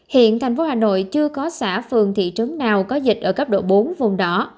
hiện tp hà nội chưa có xã phường thị trấn nào có dịch ở cấp độ bốn vùng đỏ